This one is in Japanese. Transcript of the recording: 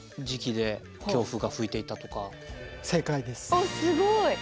あっすごい！